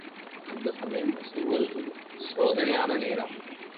அந்தச் சமயம், முஸ்லிம்களுக்குச் சோதனையான நேரம்.